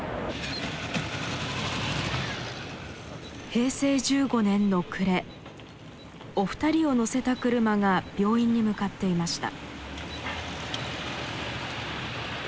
平成１５年の暮れお二人を乗せた車が病院に向かっていました。